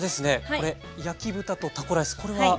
これ焼き豚とタコライスこれは？